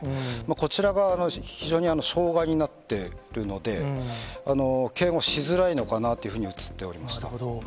こちら側、非常に障害になっているので、警護しづらいのかなというふうになるほど。